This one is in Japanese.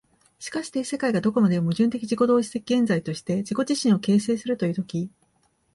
しかして世界がどこまでも矛盾的自己同一的現在として自己自身を形成するという時、